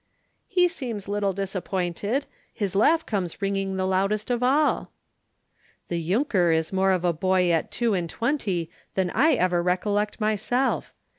"He seems little disappointed. His laugh comes ringing the loudest of all." "The Junker is more of a boy at two and twenty than I ever recollect myself!